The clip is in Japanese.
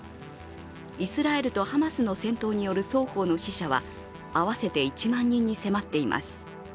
イスラエルとハマスの戦闘による双方の死者は合わせて１万人に迫っています。